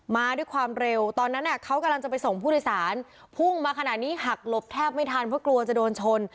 มาด้วยความเร็วตอนนั้นเขากำลังจะไปส่งผู้โดยสารพุ่งมาขนาดนี้หักหลบแทบไม่ทันเพราะกลัวจะโดนชน